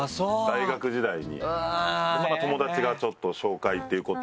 友達がちょっと紹介っていうことで。